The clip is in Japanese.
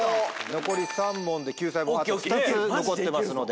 残り３問で救済もあと２つ残ってますので。